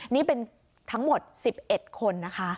นี่เป็นทั้งหมด๑๑คนนะคะ